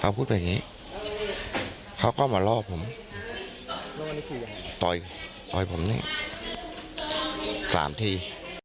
เขาพูดแบบนี้เขาก็มาล่อผมต่อยต่อยผมนี่๓ที